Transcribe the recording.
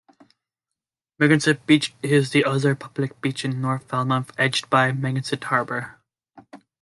Megansett Beach is the other public beach in North Falmouth, edged by Megansett Harbor.